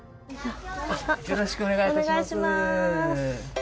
よろしくお願いします。